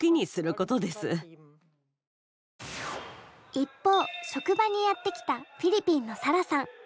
一方職場にやって来たフィリピンのサラさん。